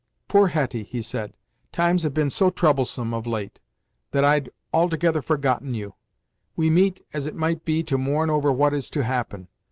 "Poor Hetty," he said, "times have been so troublesome, of late, that I'd altogether forgotten you; we meet, as it might be to mourn over what is to happen.